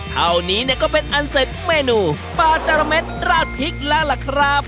เท่านี้เนี่ยก็เป็นอันเสร็จเมนูปลาจาระเม็ดราดพริกแล้วล่ะครับ